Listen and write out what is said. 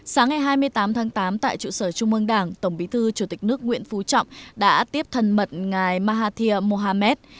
sáng ngày hai mươi tám tháng tám tại trụ sở trung mương đảng tổng bí thư chủ tịch nước nguyễn phú trọng đã tiếp thân mật ngài mahathir mohamed